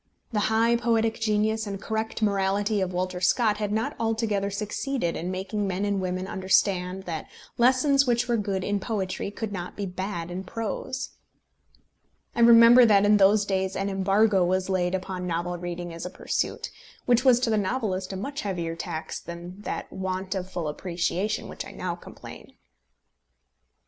The high poetic genius and correct morality of Walter Scott had not altogether succeeded in making men and women understand that lessons which were good in poetry could not be bad in prose. I remember that in those days an embargo was laid upon novel reading as a pursuit, which was to the novelist a much heavier tax than that want of full appreciation of which I now complain.